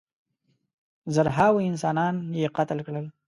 زرهاوو انسانان یې قتل کړل.